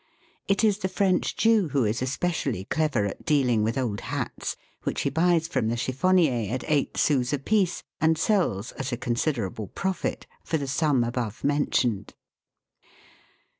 It is the French Jew who is especially clever at dealing with old hats, which he buys from the chiffonnier at eight sous a piece, and sells, at a considerable profit, for the sum above mentioned.